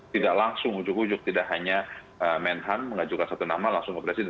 tidak langsung ujuk ujuk tidak hanya menhan mengajukan satu nama langsung ke presiden